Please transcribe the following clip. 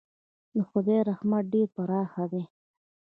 د خدای رحمت ډېر پراخه دی.